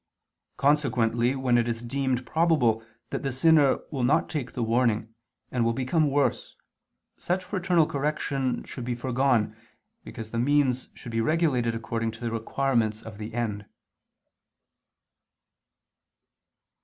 Consequently when it is deemed probable that the sinner will not take the warning, and will become worse, such fraternal correction should be foregone, because the means should be regulated according to the requirements of the end.